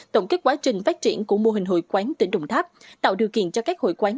tổng kết quá trình phát triển của mô hình hội quán tỉnh đồng tháp tạo điều kiện cho các hội quán